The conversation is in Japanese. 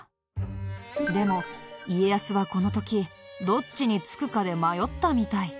でも家康はこの時どっちにつくかで迷ったみたい。